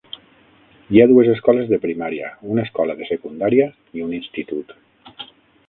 Hi ha dues escoles de primària, una escola de secundària i un institut.